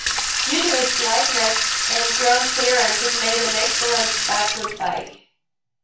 Due to its lightness and ground clearance it made an excellent backwoods bike.